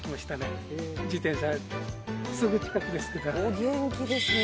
お元気ですね！